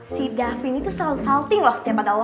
si davin itu selalu salting loh setiap pada lo